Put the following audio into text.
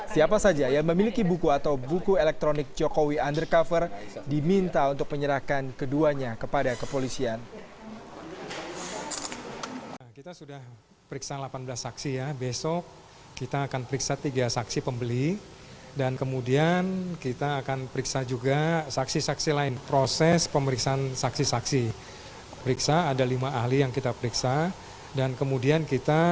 siapa saja yang memiliki buku atau buku elektronik jokowi undercover diminta untuk penyerahkan keduanya kepada kepolisian